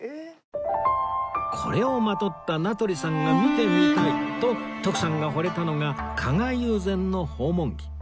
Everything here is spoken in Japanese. これをまとった名取さんが見てみたいと徳さんが惚れたのが加賀友禅の訪問着